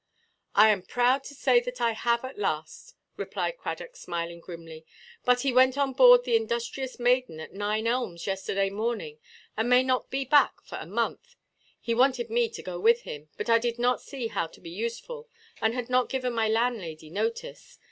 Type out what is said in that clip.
"I am proud to say that I have at last," replied Cradock, smiling grimly; "but he went on board the Industrious Maiden, at Nine Elms, yesterday morning, and may not be back for a month. He wanted me to go with him; but I did not see how to be useful, and had not given my landlady notice.